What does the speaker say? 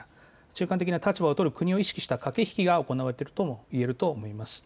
中間的な立場を取る国を意識した駆け引きが行われているとも言えます。